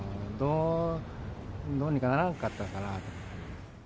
どうにかならんかったんかなと。